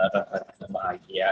terima kasih pak agia